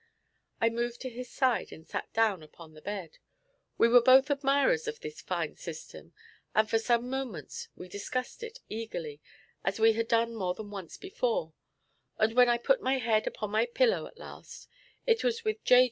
I moved to his side and sat down upon the bed. We were both admirers of this fine system, and for some moments we discussed it eagerly, as we had done more than once before; and when I put my head upon my pillow at last, it was with J.